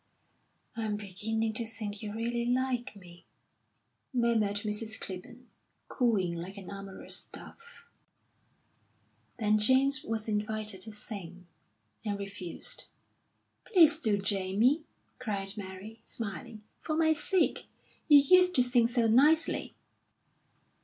"I'm beginning to think you really like me," murmured Mrs. Clibborn, cooing like an amorous dove. Then James was invited to sing, and refused. "Please do, Jamie!" cried Mary, smiling. "For my sake. You used to sing so nicely!"